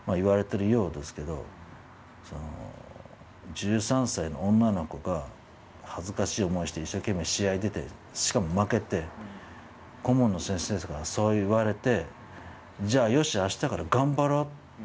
１４歳の女の子が恥ずかしい思いして一生懸命試合出てしかも負けて、顧問の先生からそう言われて。